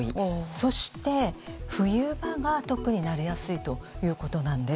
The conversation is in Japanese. そして、冬場が特になりやすいということです。